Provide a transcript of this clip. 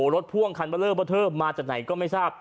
รถพ่วงคันบะเริ่มเราเทิบมาจากไหนก็ไม่ทราบ